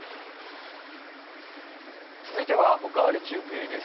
続いては「おかわり中継」です。